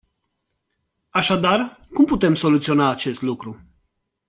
Așadar, cum putem soluționa acest lucru?